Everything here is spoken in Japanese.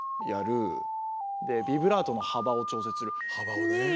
幅をね。